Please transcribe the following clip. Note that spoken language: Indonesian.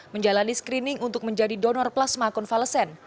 menjalani screening untuk menjadi donor plasma konvalesen